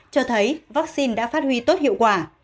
cho thấy vaccine đã phát huy tốt hiệu quả